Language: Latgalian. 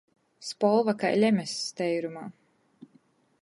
Spolva kai lemess teirumā.